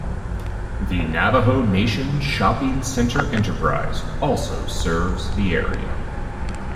The Navajo Nation Shopping Center Enterprise also serves the area.